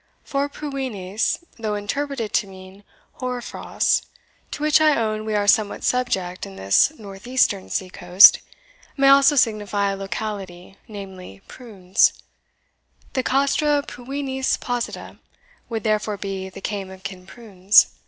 For pruinis, though interpreted to mean hoar frosts, to which I own we are somewhat subject in this north eastern sea coast, may also signify a locality, namely, Prunes; the Castra Pruinis posita would therefore be the Kaim of Kinprunes.